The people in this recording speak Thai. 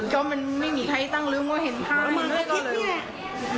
ก็ไม่มีใครตั้งลืมว่าเห็นท่าน